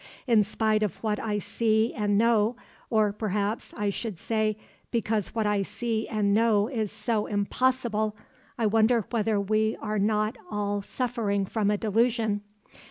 In spite of what I see and know, or, perhaps, I should say, because what I see and know is so impossible, I wonder whether we are not all suffering from a delusion.